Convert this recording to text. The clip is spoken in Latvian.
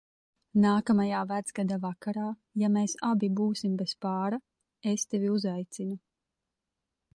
Nākamajā Vecgada vakarā, ja mēs abi būsim bez pāra, es tevi uzaicinu.